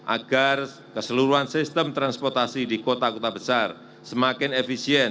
agar keseluruhan sistem transportasi di kota kota besar semakin efisien